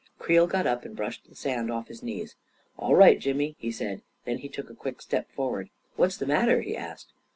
Creel got up and brushed the sand off his knees. " All right, Jimmy," he said; then he took a quick step forward. " What's the matter? " he asked.